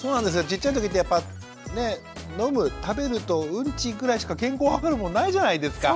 ちっちゃい時ってやっぱ飲む食べるとウンチぐらいしか健康はかるものないじゃないですか。